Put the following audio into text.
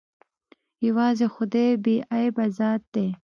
يوازې خداى بې عيبه ذات ديه.